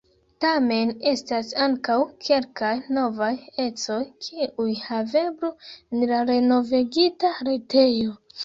Tamen estas ankaŭ kelkaj novaj ecoj, kiuj haveblu en la renovigita retejo.